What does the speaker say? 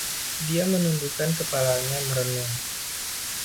Dia menundukkan kepalanya, merenung.